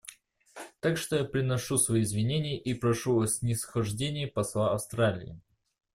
Так что я приношу свои извинения и прошу о снисхождении посла Австралии.